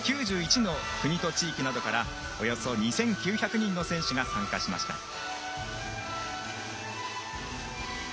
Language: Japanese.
９１の国と地域などからおよそ２９００人の選手が参加しました。